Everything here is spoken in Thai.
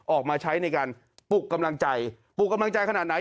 ออกมาใช้ในการปลุกกำลังใจปลุกกำลังใจขนาดไหน